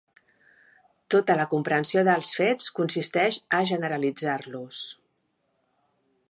Tota la comprensió dels fets consisteix a generalitzar-los.